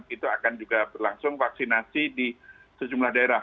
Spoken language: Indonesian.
itu akan juga berlangsung vaksinasi di sejumlah daerah